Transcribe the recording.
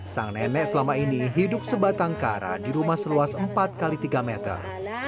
sang nenek selama ini hidup sebatang kara di rumah seluas empat x tiga meter